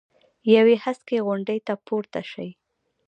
یوې هسکې غونډۍ ته پورته شي.